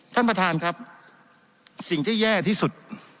ท่านประธานครับสิ่งที่แย่ที่สุด